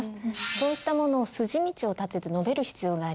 そういったものを筋道を立てて述べる必要があります。